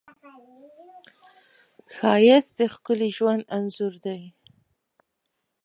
ښایست د ښکلي ژوند انځور دی